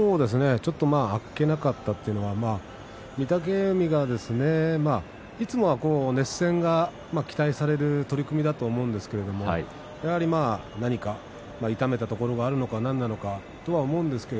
あっけなかったというか御嶽海はいつもは熱戦が期待される取組だと思うんですがやはり、何か痛めたところがあるのかなんなのかとは思うんですが。